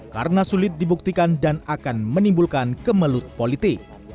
karena sulit dibuktikan dan akan menimbulkan kemelut politik